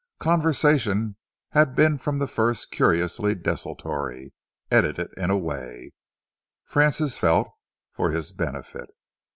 Conversation had been from the first curiously desultory, edited, in a way, Francis felt, for his benefit.